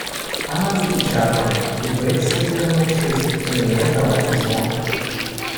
Она запечатала, и Бетси, вернувшись, при ней отдала письмо.